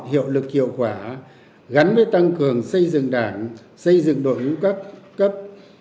hiệu lực hiệu quả gắn với tăng cường xây dựng đảng xây dựng đội hữu các cấp